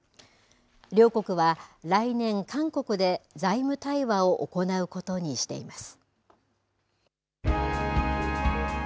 両国は来年、韓国で財務対話を行うことにしています。